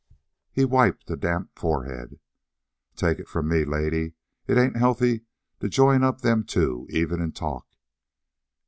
He wiped a damp forehead. "Take it from me, lady, it ain't healthy to join up them two even in talk!"